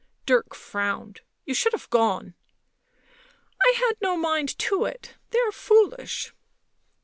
Dirk frowned. " You should have gone." " I had no mind to it. They are foolish."